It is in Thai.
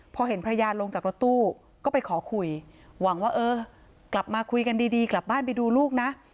พอเห็นภรรยาลงจากรถตู้ก็ไปขอคุยหวังว่าเออกลับมาคุยกันดีกลับบ้านไปดูลูกนะ